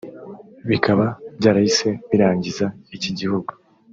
bikaba byarahise birangiza iki gihugu